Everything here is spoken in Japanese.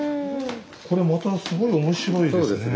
これまたすごい面白いですね。